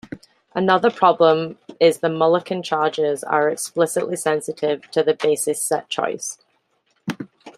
Another problem is the Mulliken charges are explicitly sensitive to the basis set choice.